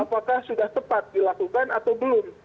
apakah sudah tepat dilakukan atau belum